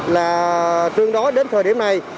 là tương đối đến thời điểm này